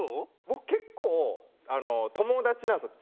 僕結構友達なんですよ。